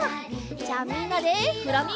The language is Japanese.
じゃあみんなでフラミンゴのバランス！